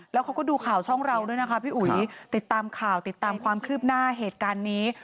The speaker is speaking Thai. แล้วเขาก็ดูข่าวช่องเราด้วยนะคะพี่อุ๋ยติดตามข่าวติดตามความคืบหน้าเหตุการณ์นี้